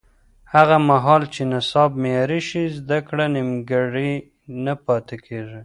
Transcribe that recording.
هغه مهال چې نصاب معیاري شي، زده کړه نیمګړې نه پاتې کېږي.